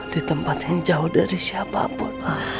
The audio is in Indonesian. ditempat yang jauh dari siapapun